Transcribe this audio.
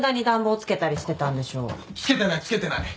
つけてないつけてない。